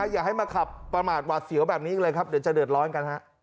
อย่าให้มาขับประมาทหวาดเสียวแบบนี้อีกเลยครับเดี๋ยวจะเดือดร้อนกันฮะ